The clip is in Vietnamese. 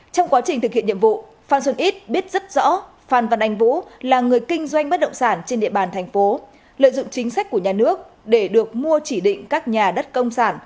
trong quá trình thực hiện nhiệm vụ phan xuân ít biết rất rõ phan văn anh vũ là người kinh doanh bất động sản trên địa bàn thành phố lợi dụng chính sách của nhà nước để được mua chỉ định các nhà đất công sản